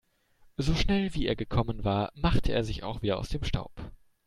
So schnell, wie er gekommen war, machte er sich auch wieder aus dem Staub.